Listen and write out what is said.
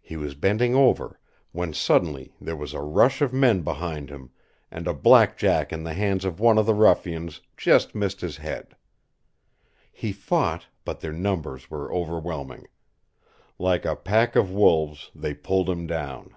He was bending over when suddenly there was a rush of men behind him and a blackjack in the hands of one of the ruffians just missed his head. He fought, but their numbers were overwhelming. Like a pack of wolves they pulled him down.